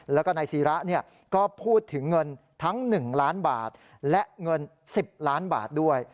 แล้วก็นายศิระก็พูดถึงเงินทั้ง๑ล้านบาทและเงิน๑๐ล้านบาทด้วย